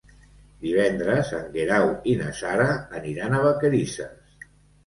Divendres en Guerau i na Sara aniran a Vacarisses.